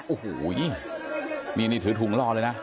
โอ้โหนี่ถือถุงรอเลยนะ